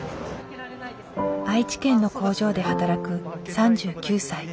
愛知県の工場で働く３９歳。